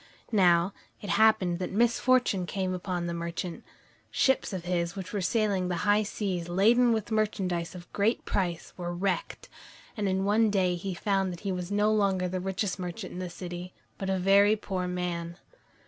Now, it happened that misfortune came upon the merchant. Ships of his which were sailing the high seas laden with merchandise of great price, were wrecked, and in one day he found that he was no longer the richest merchant in the city, but a very poor man.